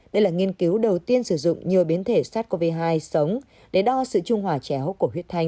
đây là nghiên cứu đầu tiên sử dụng nhiều biến thể sars cov hai sống để đo sự trung hòa chéo của huyết thanh